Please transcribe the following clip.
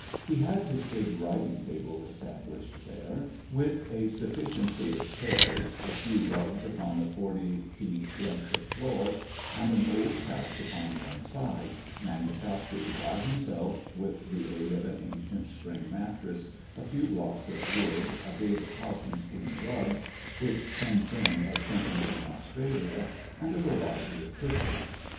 He had his big writing table established there, with a sufficiency of chairs, a few rugs upon the forty feet length of floor, and an old couch upon one side, manufactured by himself with the aid of an ancient spring mattress, a few blocks of wood, a big 'possum skin rug which some friend had sent him from Australia, and a variety of cushions.